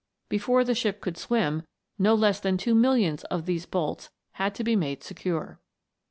Before the ship could swim, no less than two millions of these bolts had to be made secure.